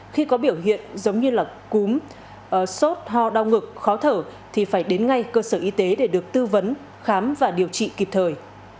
khi có biểu hiện giống như là cúm sốt ho đau ngực khó thở thì phải đến ngay cơ sở y tế để được tư vấn khám và điều trị kịp thời